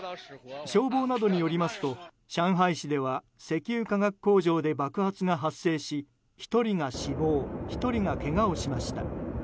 消防などによりますと上海市では石油化学工場で爆発が発生し１人が死亡１人がけがをしました。